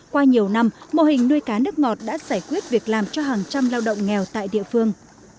qua nhiều năm mô hình nuôi cá nước ngọt đã giải quyết việc làm cho hàng trăm lao động nghèo tại địa phương